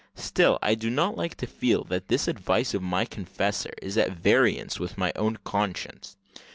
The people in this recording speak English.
Still, I do not like to feel that this advice of my confessor is at variance with my own conscience.